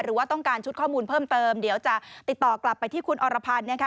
หรือว่าต้องการชุดข้อมูลเพิ่มเติมเดี๋ยวจะติดต่อกลับไปที่คุณอรพันธ์นะคะ